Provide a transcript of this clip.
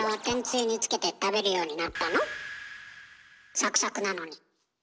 サクサクなのに。